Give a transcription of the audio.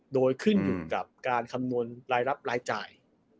โดยขึ้นอยู่กับการคำนวณรายรับรายจ่าย